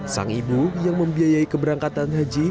sang ibu yang membiayai keberangkatan haji